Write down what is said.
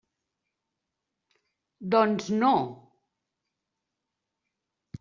Doncs, no!